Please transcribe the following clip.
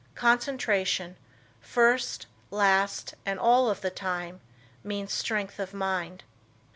Concentration, first, last and all the time, means strength of mind.